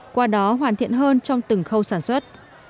qua đó hoàn thiện hơn trong từng khâu sản xuất